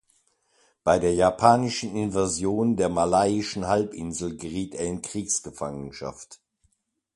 Bei der japanischen Invasion der Malaiischen Halbinsel geriet er in Kriegsgefangenschaft.